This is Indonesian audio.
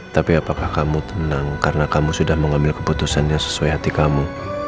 tapi apakah kamu tenang karena kamu sudah mengambil keputusannya sesuai hati kamu